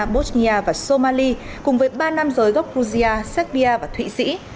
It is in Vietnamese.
bosnia và somali cùng với ba nam giới gốc guzia serbia và thụy sĩ